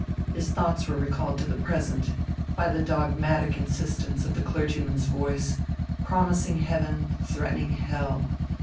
His thoughts were recalled to the present by the dogmatic insistence of the clergyman's voice, promising heaven, threatening hell.